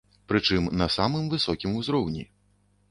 Прычым, на самым высокім узроўні.